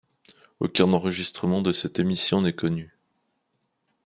Aucun enregistrement de cette émission n'est connu.